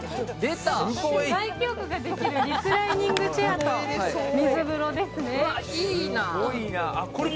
外気浴ができるリクライニングチェアと水風呂ですね。